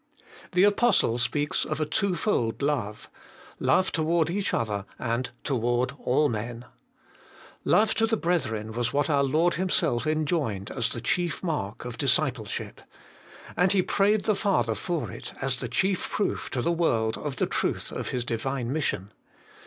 The Apostle speaks of a twofold love, ' love toward each other, and toward all men.' Love to the brethren was what our Lord Himself enjoined as the chief mark of discipleship. And He prayed the Father for it as the chief proof to the world of the truth of His Divine mission.